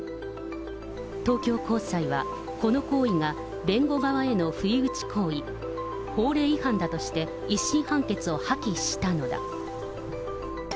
東京高裁はこの行為が弁護側への不意打ち行為、法令違反だとして１審判決を破棄したのだ。